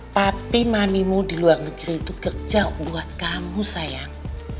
tapi manimu di luar negeri itu kerja buat kamu sayang